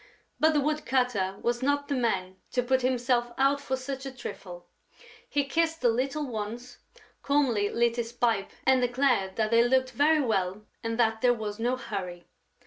But the woodcutter was not the man to put himself out for such a trifle. He kissed the little ones, calmly lit his pipe and declared that they looked very well and that there was no hurry.